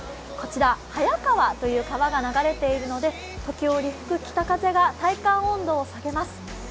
こちら、早川という川が流れているので時折吹く北風が体感温度を下げます。